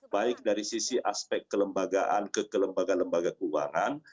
baik dari sisi aspek kelembagaan kekelembagaan kekelembagaan keuangan